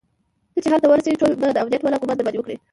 ته چې هلته ورسېږي ټول به د امنيت والا ګومان درباندې وکړي.